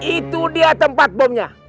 itu dia tempat bomnya